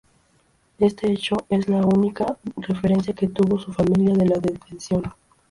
Este hecho es la única referencia que tuvo su familia de la detención.